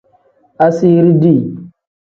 Asiiri dii.